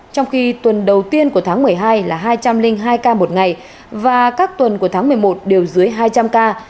trong khi tuần đầu tiên của tháng một mươi hai là hai trăm linh hai ca một ngày và các tuần của tháng một mươi một đều dưới hai trăm linh ca